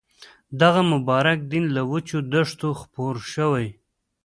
دغه مبارک دین له وچو دښتو خپور شوی.